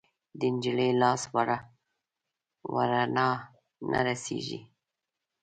د نجلۍ لاس ورڼا نه رسیږي